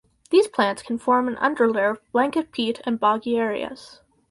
These plants can form an underlayer of blanket peat and boggy areas.